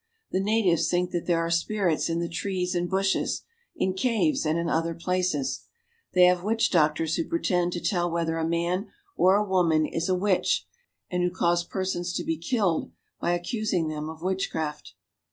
The natives think there are spirits in the trees and bushes, in caves and other places. They have witch doctors who pretend to tell whether a man or woman is a THE HOME OF THE NEGRO 19; witch, and who cause persons to be killed by accusing them of witchcraft.